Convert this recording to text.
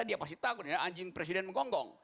tidak ada yang berhasil anjing presiden menggonggong